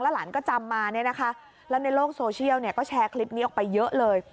แล้วหลานก็จำมาแล้วในโลกโซเชียลก็แชร์คลิปนี้ออกไปเยอะเลย